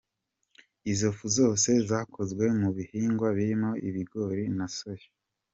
Izo fu zose zakozwe mu bihingwa birimo Ibigori na Soya.